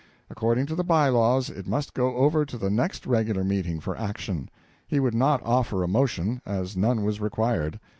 According to the by laws it must go over to the next regular meeting for action. He would not offer a motion, as none was required.